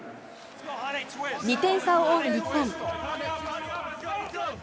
２点差を追う日本。